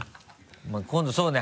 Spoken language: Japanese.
まぁ今度そうね